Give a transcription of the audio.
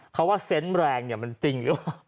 เขาว่าเซนต์แรงเนี่ยมันจริงหรือเปล่า